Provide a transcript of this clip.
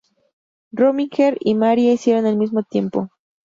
Rominger y Marie hicieron el mismo tiempo.